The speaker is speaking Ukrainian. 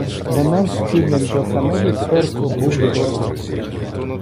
Не менш цінним за саме люстерко був його корпус.